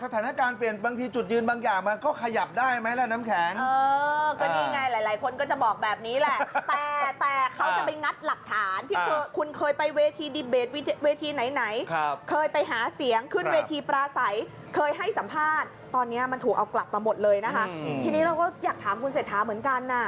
ทีนี้เราก็อยากถามคุณเศรษฐาเหมือนกัน